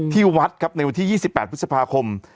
ที่วัดครับในวันที่๒๘พฤษภาคม